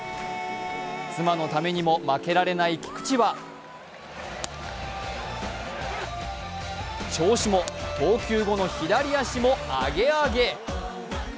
妻のためにも負けられない菊池は調子も、投球後の左足もアゲアゲ。